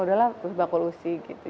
udah lah terus bakul usi gitu